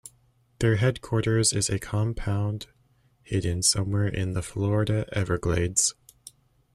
Their headquarters is a compound hidden somewhere in the Florida Everglades.